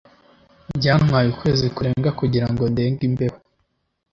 Byantwaye ukwezi kurenga kugira ngo ndenge imbeho